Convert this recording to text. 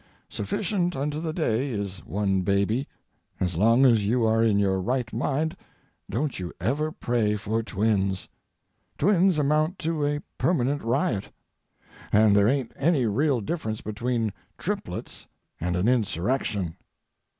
Sufficient unto the day is one baby. As long as you are in your right mind don't you ever pray for twins. Twins amount to a permanent riot. And there ain't any real difference between triplets and an insurrection.